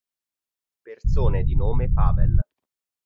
Persone di nome Pavel